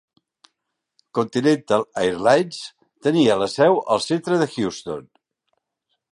Continental Airlines tenia la seu al centre de Houston.